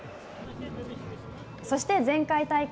そして、前回大会。